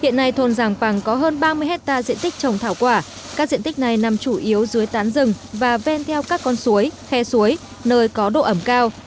hiện nay thôn giàng bằng có hơn ba mươi hectare diện tích trồng thảo quả các diện tích này nằm chủ yếu dưới tán rừng và ven theo các con suối khoe suối nơi có độ ẩm cao